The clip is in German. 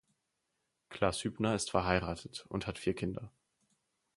Klaas Hübner ist verheiratet und hat vier Kinder.